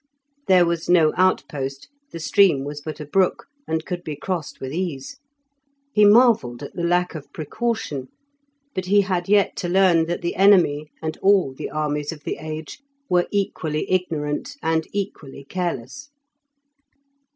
There was no outpost, the stream was but a brook, and could be crossed with ease. He marvelled at the lack of precaution; but he had yet to learn that the enemy, and all the armies of the age, were equally ignorant and equally careless.